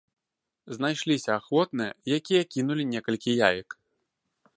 Знайшліся ахвотныя, якія кінулі некалькі яек.